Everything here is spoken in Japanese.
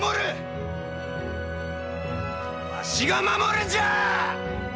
わしが守るんじゃあ！